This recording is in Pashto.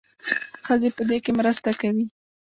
ښځې په دې کې مرسته کوي.